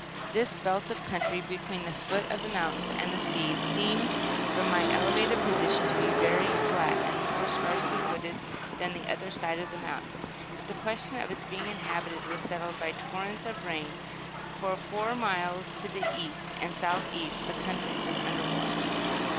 This belt of country, between the foot of the mountains and the sea, seemed, from my elevated position, to be very flat, and more sparsely wooded than the other side of the mountain; but the question of its being inhabited was settled by the torrents of rain, for, for miles to the east and south east the country was under water.